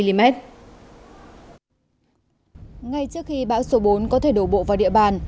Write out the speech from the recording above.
ngay trước khi bão số bốn có thể đổ bộ vào địa bàn